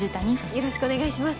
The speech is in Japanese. よろしくお願いします。